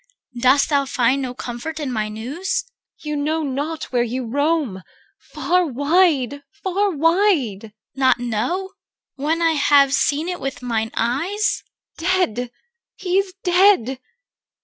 Dost thou find no comfort in my news? EL. You know not where you roam. Far wide! far wide! CHR. Not know? when I have seen it with mine eyes? EL. Dear, he is dead.